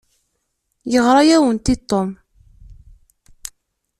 Yeɣra-awent-d Tom.